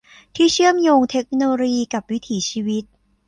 ที่เชื่อมโยงเทคโนโลยีกับวิถีชีวิต